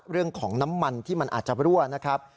เรื่องของน้ำมันที่มันอาจจะรั่วนะครับ